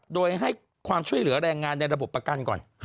โดยให้ความช่วยเหลือแรงงานในระบบประกันก่อน